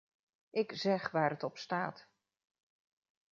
Ik zeg waar het op staat.